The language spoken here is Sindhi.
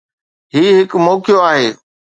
هي هڪ موقعو آهي.